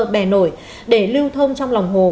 bè nổi để liêu thông trong lòng hồ